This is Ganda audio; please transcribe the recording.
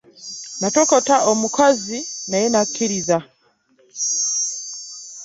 Natokota omukazi naye n'akkiriza.